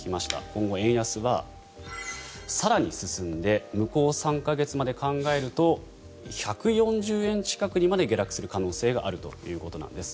今後、円安は更に進んで向こう３か月まで考えると１４０円近くにまで下落する可能性があるということなんです。